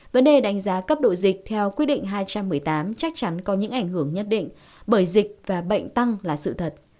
vấn đề đánh giá cấp độ dịch theo quy định hai trăm một mươi tám chắc chắn có những ảnh hưởng nhất định bởi dịch và bệnh tăng là sự thật